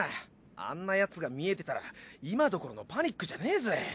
あんなヤツが見えてたら今どころのパニックじゃねえぜ。